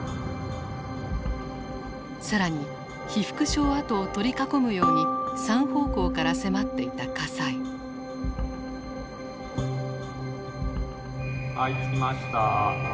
更に被服廠跡を取り囲むように３方向から迫っていた火災。はいつきました。